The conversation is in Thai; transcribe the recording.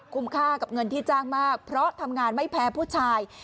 ค่ากับเงินที่จ้างมากเพราะทำงานไม่แพ้ผู้ชาย